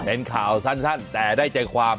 เป็นข่าวสั้นแต่ได้ใจความ